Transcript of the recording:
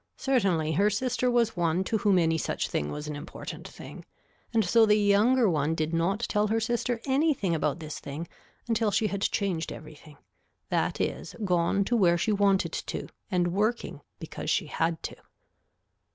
Certainly her sister was one to whom any such thing was an important thing and so the younger one did not tell her sister anything about this thing until she had changed everything, that is gone to where she wanted to and working because she had to.